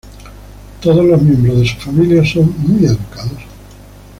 Todos los miembros de su familia son muy educados.